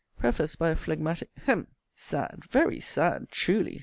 Prefaced by a phlegmatic hem; sad, very sad, truly!